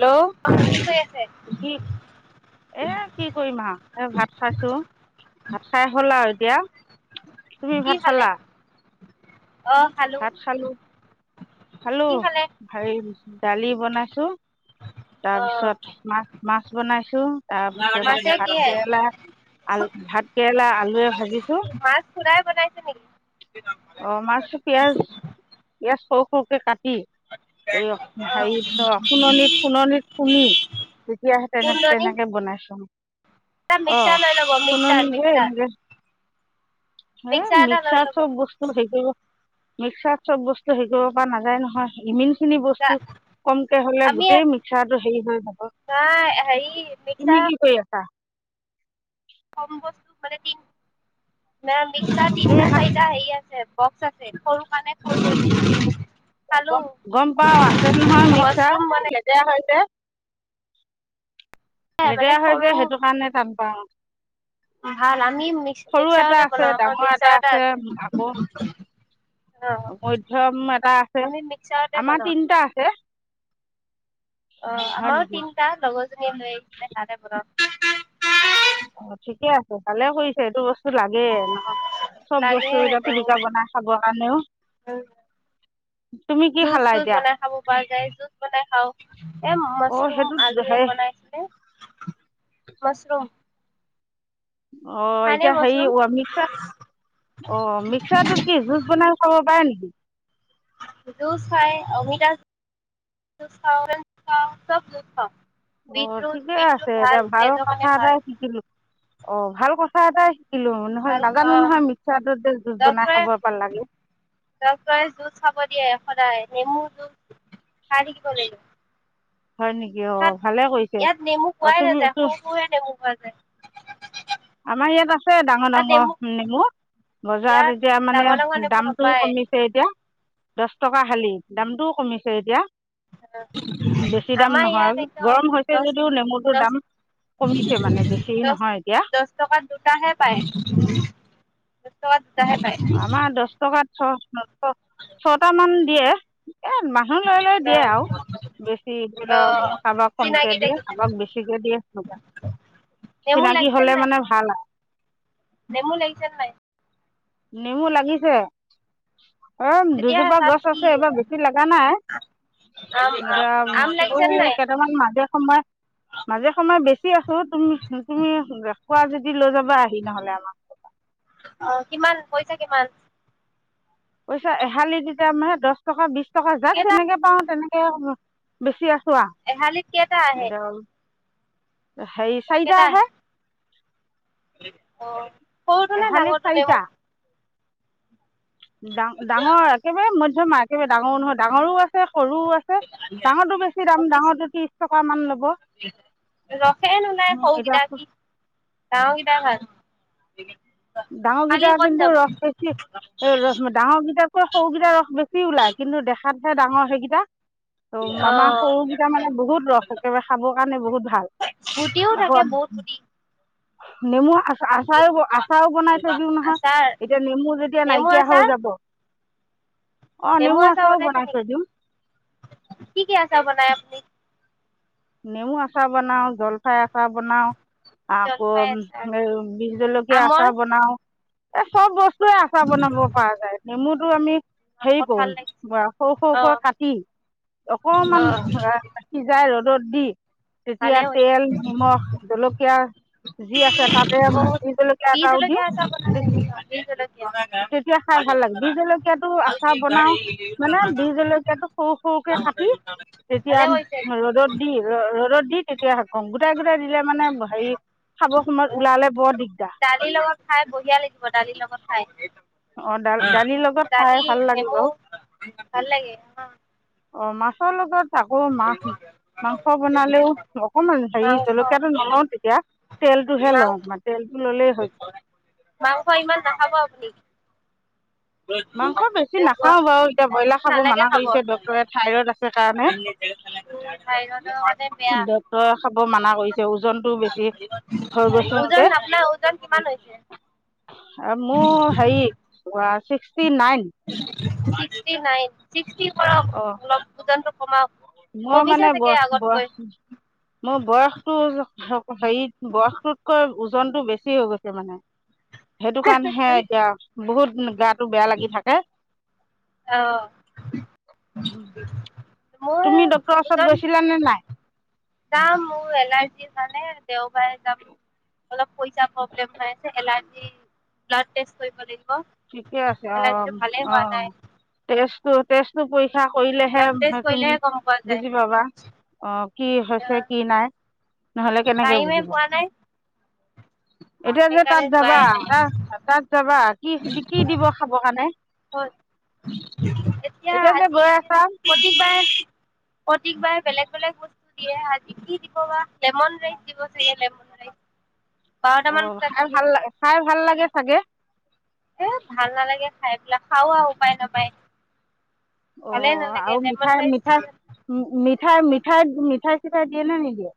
Hello অ কি কৰি আছে কি এ কি কৰিম আহ এ ভাত খাইছো ভাত খাই হ'ল আৰু কিয় তুমি ভাত খালা? অহ খালো কি হেল্ল' খালে ভাই দালি বনাইছো অ তাৰপিছত মাছ মাছ বনাইছো, তাৰপিছত আকৌ মাছে ভাত কিহে কেৰেলা আল ভাত কেৰেলা আলুৱে ভাজিছো, মাছ খুৰাই বনাইছে নেকি অহ মাছো পিয়াজ পিয়াজ সৰু ককে কাট অ হেৰিত সুননিত সুণনিত শুনি তেতিয়াহে তেনে কুন্দনি তেনেকে বনাইছো অ মিক্সাৰ নাই লগ খুননি মিক্সাৰ যে মিক্সাৰ এনেকে এ এটা লৈ মিক্সাৰ ল'ব চব বস্তু হেই কৰিব মিক্সাৰ চব বস্তু সেই পৰা নাযায় নহয় ইমিন খিনি বস্তু কমকে হলে আমি গোটেই মিক্সাৰটো হেৰি হৈ যাব। নাই হেৰি তুমি মিক্সাৰ কি কৰি আছা? কম বস্তু [unintelligible] তিনটা তুমি তিনিটা ভাত চাৰিটা হেৰি আছে বক্স আছে সৰু কাৰণে সৰু পাবি গম পাওঁ আছে নহয় মিক্সাৰ মাছৰুম এনেই বনাইছে লেতেৰা হয় যে মানে লেতেৰা হয় সৰু যে সেইটো কাৰণে টান পাওঁ ভাল আমি মিক্স সৰু এটা মিক্সাৰতে আছে, বনাও আমাৰ ডাঙৰ এটা মিক্সাৰ আছে, আকৌ অ মধ্যম এটা আছে আমি মিক্সাৰতে আমাৰ বনাও তিনিটা আছে অ হয় আমাৰো নেকি তিনিটা লগৰজনী লৈ আহিছিলে তাৰে বনাও [inaudible] অ ঠিকে আছে ভালে কৰিছে এইটো বস্তু লাগে নহ চব লাগে বস্তু এতিয়া এইটো পিটকা বনাই খাব কাৰণেও তুমি কি জুজ খালা চুজ এতিয়া বনাই খাব পৰা যায় জুজ বনাই খাওঁ এ অ মাছৰুম সেইটো আলুৱে হে বনাইছিলে মাছৰুম অ খাই নে এতিয়া হেৰি মাছৰুম মিক্সাৰ অ মিক্সাৰটোত কি জুচ বনাই খাব পাৰে নেকি জুচ খায় অমিতা জুচ খাওঁ, অৰেঞ্জ জুচ খাওঁ চব জুচ খাওঁ অ ঠিকে আছে এতিয়া ভাল কথা কাৰণে ভাল এটাই শিকিলো অ ভাল কথা কথা এটা শি- কিলো নহয় ভাল নাজানো অ নহয় মিক্সাৰটোত যে জুচ বনাই ডক্তৰে খাব পা লাগে মেমু জুচ খাই থাকিব লাগিব হয় নেকি অ' তাত, ভালে কৰিছে ইয়াত নেমু অ' পোৱাই তুমি নাযায়। তো সৰু সৰুহে নেমু পোৱা যায়। আমাৰ ইয়াত আছে, ডাঙৰ ডাঙৰ নেমু। বজাৰত ইয়াত এতিয়া মানে, ডাঙৰ ডাঙৰ নেমু দামটোও নাপায় কমিছে এতিয়া। দহ টকা খালি, দামটোও কমিছে এতিয়া। বেছি দাম আমাৰ ইয়াত নহয়, একদম গৰম হৈছে দহ যদিও নেমুটোৰ দহ দাম কমিছে মানে, বেছি দহ নহয় এতিয়া। দহ টকাত দুটাহে পায়। [unintelligible] [unintelligible] [unintelligible] ছটা মান দিয়ে। এ মানুহ লৈ লৈ অ দিয়ে আৰু, বেছি ধৰি অ লওক, কাৰোবাক কমকে চিনাকি দিয়ে, দেখিছে কাৰোবাক বেছিকে দিয়ে। নেমু চিনাকি লাগিছে হ'লে নাই মানে ভাল আৰু। নেমু লাগিছে নে নাই? নেমু লাগিছে। ‌ অ' এতিয়া দুজোপা তাত গছ কি আছে, এইবাৰ বেছি লগা নাই। আম এতিয়া আম লাগিছে বোলোঁ নাই কেইটামান মাজে [unintelligible] মাজে সময় বেছি আছোঁ, তুমি, তুমি খোৱা যদি লৈ যাবা আহি নহ'লে আমাৰ ঘৰৰ পা। অ কিমান পইচা কিমান? পইচা এহালি তেতিয়া মানে দহ টকা বিশ টকা যাক কেইটা যেনেকে পাওঁ তেনেকে বেছি [unintelligible] এহালিত কেইটা আহে? সেই চাৰিটা আহে। অ' সৰুতো নে এহালিত ডাঙৰটো চাৰিটা নেমু ডাঙ, ডাঙৰ! একেবাৰে ম নহয়, মান, একেবাৰে ডাঙৰোঁ নহয়, ডাঙৰো আছে সৰুও আছে, ডাঙৰটো বেছি দাম, ডাঙৰটো ত্ৰিশ টকা মান ল'ব, ৰসে নোলাই এতিয়া সৰুকেইটা কি ডাঙৰ কেইটাই ভাল। [inaudible] কালি ডাঙৰকেইটাৰ ক'ত কিন্তু যাব? ৰস বেছি। ৰ, ডাঙৰকেইটাতকৈ সৰুকেইটাৰ ৰস বেছি ওলাই। কিন্তু দেখাত ডাঙৰ সেইকেইটা ত আমাৰ অ'। সৰুকেইটা মানে বহুত ৰস, একেবাৰে খাবৰ কাৰণে বহুত ভাল। গুটিও থাকে আকৌ বহুত গুটি, নেমু আছ আচাৰোঁ, আচাৰোঁ বনাই থৈ দিও নহয়। আচাৰ এতিয়া নেমু যেতিয়া নেমু নাইকিয়া আচাৰ, হৈ যাব। অঁ নেমু আচাৰ আচাৰো বনাই বনাইছে থৈ নেকি? দিওঁ কি- কি আচাৰ বনাই আপুনি? নেমু আচাৰ বনাও, জলফাই আচাৰ বনাও। আকৌ জলফাই আচাৰ, এ বি'হ জলকীয়া আমৰ, আচাৰ বনাও, এই চব বস্তুৱে আচাৰ বনাব পৰা যায়। নেমুত আৰু আমি হেৰি কঁঠাল কৰো, লাগিছে সৰু -সৰুকৈ অ', কাটি অকমান অ', অহ ', সিজাই ৰ'দ বি তেতিয়া ভালে হৈছে তেল, নিমখ, জলকীয়া যি আছে, তাতে বহুত বি'হ জলকীয়া বি এটাও জলকীয়া দিওঁ, আচাৰ বনাই তে নেকি? বি জলকীয়া -তেতিয়া খাই ভাল লাগে। বি'হ জলকীয়া টো আচাৰ বনাও, মানে বি'হ জলকীয়াটো সৰু - সৰুকে কাটি তেতিয়া ভালে কৰিছে, ৰ'দত ৰ'দদ দি, তেতিয়া হ গম গোটাই- গোটাই দিলে মানে হেৰি খাবৰ সময়ত উলিয়াবলে বৰ দিগদাৰ। দালিৰ লগত খাই বঢ়িয়া লাগিব, দালিৰ লগত। খায়। অঁ দাল দালিৰ লগত [unintelligible] খাই দালি ভাল লাগে নেমু বাৰু ভাল লাগে, অহ', অহ', মাছৰ লগত। আকৌ মাছ, মাংস বনালেও অকমান হেৰি মাংস জলকীয়াটো নলও। তেতিয়া তেলটোহে মাংস লওঁ। তেলটো ললেই হৈ যায়। মাংস ইমান নাখাব আপুনি মাংস বেছি নাখাও বাৰু। এতিয়া ব্ৰইলাৰ খাব মানা কৰিছে ডক্টৰে থাইৰইড আছে কাৰণে। থাইৰডৰ কাৰণে বেয়া। সন্দ খাব মানা কৰিছে ওজনতটো বেছি হৈ ওজন গৈছতে আপোনাৰ ওজন কিমান হৈছে? আৰু মোৰ হেৰি ৱা। Sixty nine six. অঁ কৰক অলপ ওজনটো কমাওক। মই কমিছে মানে চাগে আগতকৈ বয়স-বয়স মোৰ বয়সতটো। হেৰিত বয়সটোতকৈ ওজনতটো বেছি হৈ গৈছে মানে। সেইটো কাৰণ হে এতিয়া। বহুত গাত। বেয়া লাগি থাকে। অহ ', [inaudible] তুমি ডাক্তৰৰ ওচৰত গৈছিলা নে নাই? যাম মোৰ এলাৰ্জি কাৰণে দেওবাৰে যাম। অলপ পইচা প্ৰব্লেম হৈ আছে এলাৰ্জি ব্লাড টেষ্ট কৰিব লাগ ঠিকে আছে অহ', - অহ', নাই তেজটো। টেষ্ট টো কৰি শিক্ষা ব্লাড টেষ্ট কৰিলেহে তুমি কৰিলেহে গম পোৱা যায়। বুজি পাবা। অ' কি হৈছে কি নাই। নহলে কেনেকে টাইমে বুজিব পোৱা নাই এতিয়া যে তাত সেইকাৰণে যাবা যোৱাই নাই। তাত-তাত যাবা। কি কি দিব খাব কাৰণে? হয়। এতিয়া যে আজি গৈ আছা প্ৰতিবাৰে প্ৰতিবাৰে বেলেগ-বেলেগ বস্তু দিয়ে। আজি কি দিব বা, লেমন ৰাইচ দিব চাগে লেমন ৰাইচ বাৰটামান অ' বজাত খাই দিয়ে ভাল লা খাই ভাল লাগে চাগে। এ, ভাল নালাগে। খাইপেলাই খাও আৰু উপায় নাপায়। অ ভালে নালাগে আৰু লেমন মিঠাই ৰাইচ মিঠাই আমি মিঠাই মিঠাই মিঠাই ঠাই দিয়ে নে নিদিয়ে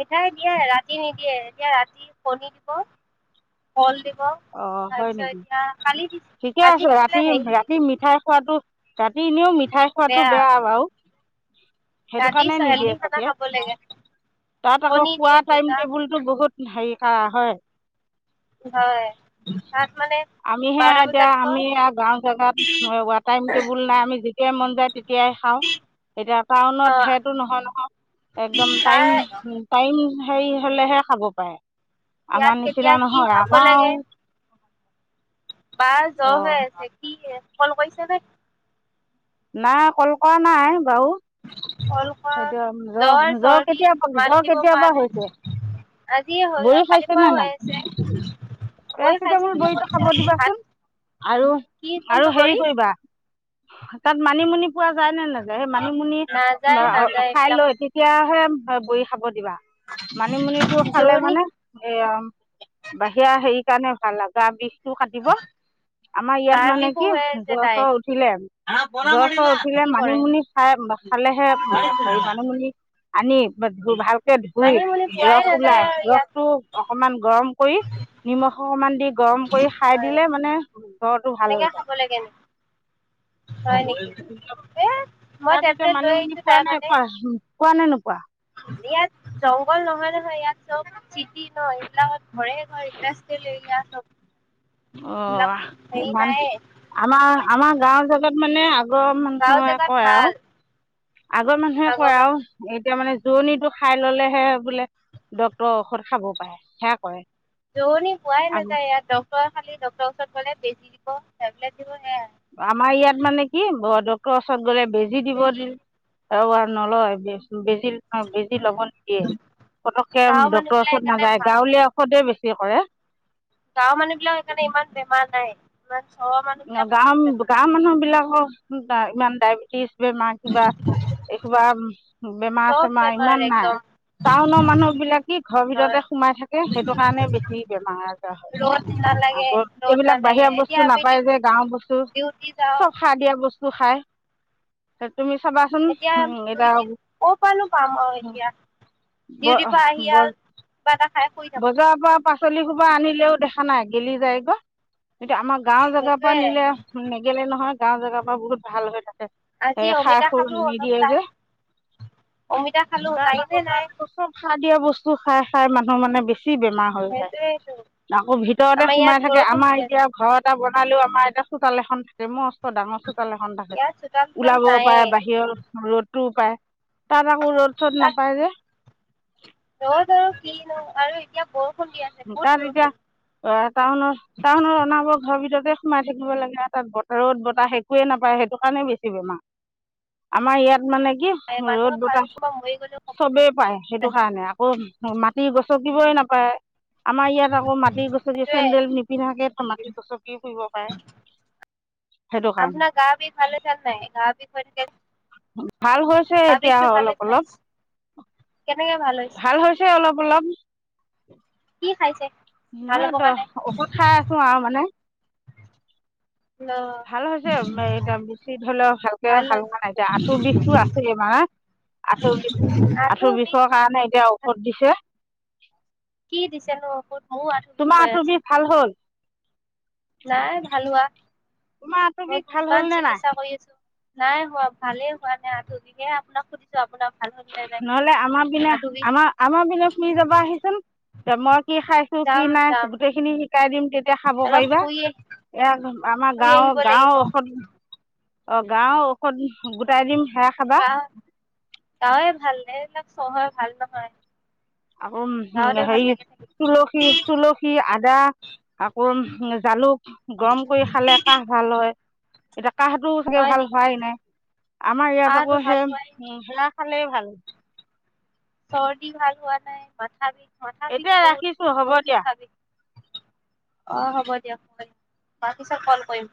মিঠাই দিয়ে ৰাতি নিদিয়ে এতিয়া ৰাতি কণী দিব কল দিব অ হয় তাৰপিছত নেকি এতিয়া কালি দিছে ঠিকে আজি আছে দিছিলে ৰাতি হেৰি ৰাতি মিঠাই খোৱাটো ৰাতি এনেও মিঠ মিঠাই খোৱাটো বেয়া বাও সেইটো ৰাতি কাৰণে নিদিয়ে হেল্ডি খানা চাগে খাব লাগে তাত আকৌ কণী খোৱা দিয়ে টাইম দুটা টেবুল টো বহুত হেৰি হা হয় হয় তাত মানে আমি হেয়া বাৰটা এতিয়া বজাত দিব অ আমি আও গাও জেগাত উৱা টাইম টেবুল নাই আমি যেতিয়াই মন যায় তেতিয়াই খাও এতিয়া টাউনত সেইটো নহয় নহয় একদম টাইম তাৰ টাইম সেৰি হলেহে খাব পাৰে ইয়াত আমাৰ কেতিয়া নিচিনা কি নহয় খাব আমাৰ বাছ অঁ জহে থাকি এ কল কৰিছে নে নাই কল কৰা নাই বাও ফল খ জৰ চৰ্দি কেতিয়াবা মাত জ্বৰ দিব কেতিয়াবা পৰা হৈছে নাই আজিয়ে হৈ বড়ি কালিপুৱা খাইছেনে নাই হৈ আছে বৈ পেৰাচিটামল খাইছো বুলি বড়িটো খাব কৈছা ভাত দিবাচোন আৰু কি আৰু কোনটো হেৰি গৰী কৰিবা তাত মানিমুনি পোৱা যায় নে নাযায় সেই মানিমুনি নাযায় নাযায় খাই এইবিলাক লৈ তেতিয়াহে হয় বৈ খাব দিবা মানিমুনিটো খালে জোৰণি মানে এ বাহিৰা হেৰি কাৰানে ভাল গ বিষ কাটিব আমাৰ ইয়াত গাৰ মানে বিষ কি হৈ আছে জ্বৰ তাই চৰ উঠিলে জ্বৰ চৰ উঠিলে কি কৰে মানিমুনি খাই খালেহে হেৰি মানিমুনি আনি ধ ভালকে ধুই মানে মানে পোৱাই ৰস নাযায় ওলাই আৰু ইয়াত ৰসটো অকমান গৰম কৰি নিমখ অকমান দি গৰম কৰি খাই হয় দিলে মানে ঘৰটো ভাল হৈ এনেকে যায় খাব লাগে নেকি হয় নেকি এ মই তাৰপিছত টেবলেট লৈ মানিহ ম আহিছো পোৱা তাইৰ নাই কাৰণে প কোৱা নে নোকোৱা ইয়াত জংঘল নহয় নহয় ইয়াত চব চিটি নহয় এইবিলাকত মে ম গছলিল [unintelligible] অ অ ইমান আমাৰ আমাৰ গাঁওৰ জেগাত মানে আগৰ গাঁও মানুহে জেগাত কয় আৰু ভাল আগৰ মানুহে আগৰ কয় মানে আৰু এতিয়া মানে দূৰণিটো খাই ললেহে বোলে ডক্তৰৰ ঔষধ খাব পাৰে সেয়া কৰে যহনি পোৱাই নাজায় ইয়াত খালি ডক্তৰৰ ওচৰত গলে বেছি দিব টেবলেট দিব সেয়া আমাৰ ইয়াত মানে কি ডক্তৰৰ অশোক [unintelligible] গলে বেজি দিব দি [unintelligible] নলয় বেজি বেজি লব নিদিয়ে পটককে গাঁৱৰ মানুহ ডক্টৰৰ বিলাক ওচৰত সেইকাৰণে নাযায় ভাল গাঁৱলীয়া ঔষধে বেছি কি কলে গাঁৱৰ মানুহ বিলাক সেইকাৰণে ইমান বেমাৰ নাই ইমান চহৰৰ মানুহ অ বিলাকৰ গাও বেছি বেমাৰ গাওৰ মানুহ বিলাকৰ ইমান ডায়েবেটিছ বেমাৰ কিবা এইসোপা বেমাৰ চব চেমাৰ বেমাৰ ইমান নাই একদম টাউনৰ মানুহ বিলাকে ঘৰৰ ভিতৰতে হয় সোমাই থাকে সেইটো কাৰণে বেছি বেমাৰ আজাৰ হয় ৰ'দ নালাগে আকৌ ৰ'দ এইবিলাক নালাগে বাহিৰা বস্তু এতিয়া নাপ আমি পায় ডিউ- যে গাওৰ বস্তু ডিউটি যাওঁ চব সাৰ দিয়া বস্তু [inaudible] এতিয়া আমি দুইদিন ক'পানো পাম আৰু এতিয়া ডিউটিৰ পৰা আহি কিবা এটা খাই শুই থাকো বজাৰৰ পৰা পাচলি সোপা আনিলেও দেখা নাই গেলি যায়গ এতিয়া আমাৰ গাঁওৰ জেগাৰ পৰা সেইটোয়ে নিলে নেগেলে নহয় গাঁও জেগা পৰা বহুত ভাল হয় তাক আজি এ সাৰ অমিতা সুৰ খালো অলপ নিদিয়ে টাই যে অমিতা খালো তাত আকৌ টাইমে তাত নাই আকৌ চব সাৰ দিয়া বস্তু খাই খাই মানে- [unintelligible] বেমাৰ হৈ যায় সেইটোয়েটো আকৌ ভিতৰতে আমাৰ ইয়াত সোমাই থাকে বৰষুণ দি আমাৰ এতিয়া আছে ঘৰ এটা আমাৰ এটা চোতাল এখন থাকেই ডাঙৰ চোতাল এখন থাকে ইয়াত চোতাল তোতাল ওলাব পাৰে নাইয়ে বাহিৰৰ ৰ'দটো পায়। তাত আকৌ ৰ'দ চদ তাত নাপায় যে। ৰদ আৰু কিনো আৰু এতিয়া বৰষুণ দি আছে বহুত তাত এতিয়া বৰষুণ আহ টাউনৰ টাউনত অনাবৰতে ঘৰৰ ভিতৰতে সোমাই থাকিব লাগে তাত বতৰত বতাহ একোৱে নাপায় সেইটো কাৰণে বেছি বেমাৰ আমাৰ ইয়াত মানে কি ৰ'দ মানুহৰ কাৰো বতাহ কোনোবা মৰি গ'লেও ক'ব চবেই পায় সেইটো কাৰণে আকৌ মাটি গছকিবই নাপায়। আমাৰ ইয়াত আকৌ মাটি গছকি সেইটোৱে চেন্দেল নিপিন্ধাকে মাটি গছকিও ফুৰিব পাৰে সেইটো কাৰণে। আপোনাৰ গা বিষ ভাল হৈছে নে নাই গা বিষ হৈ থাকে ভাল হৈছে গা এতিয়া বিষটো ভাল অলপ হৈছে নাই অলপ ভাল হৈছে অলপ অলপ। কি খাইছে? ভাল নহয় হ'ব দহ কাৰণে ঔষধ খাই আছো আৰু মানে। অ ভাল হৈছে এতিয়া বেছি ধৰিলেও ভালকে ভাল মানে এতিয়া আঁঠুৰ বিষটো আছে মানে আঁঠু বিষ আঁঠু বিষৰ কাৰণে এতিয়া ঔষধ দিছে। কি দিছে নো বকুত ময়ো আঠু বিষ তোমাৰ হৈ আঁঠুৰ আছে। বিষ ভাল হ'ল নাই ভাল হোৱা। তোমাৰ আঁঠু মই বিষ ভাল কিমান হল নে চিকিৎসা নাই? কৰি আছো নাই হোৱা ভালেই হোৱা নাই আঁঠু বিষ হে আপোনাক সুধিছো আপোনাক নহলে আমাৰ পিনা আমাৰ আমাৰ পিনা ফুই যাবা আহিচোন। চামচ কি খাইছো কি যাম যাম নাই গোটেইখিনি শিকাই দিম তেতিয়া খাব অলপ পাৰিবা ফুৰি ইয়া আমাৰ ফুৰি আহিব গাঁৱৰ লাগিব গাঁৱৰ ঔষধ অ গাও ঔষধ গোটাই দিম। সেয়া খাবা বাহ ত ভালে এইবিলাক চহৰ ভাল নহয়। আকৌ গাঁৱতে ভাল হেৰি লাগে থাকি তুলসী তুলসী আদা আকৌ জালুক গৰম কৰি খালে কাহ ভাল হয়। এটা কাহটোও চাগে হয় ভাল নেকি হোৱাই নাই আমাৰ ইয়াত কাহটো আকৌ ভাল হোৱাই নাই সেই সেয়া খালে ভাল। চৰ্দি ভাল হোৱা নাই, মাথা বি মথা বিষ এতিয়া ৰাখিছোঁ বহুত, হ'ব বহুত দিয়া মথা বিষ অ', হ'ব দিয়া হ'ব, তাৰ পিছত ক'ল কৰিম।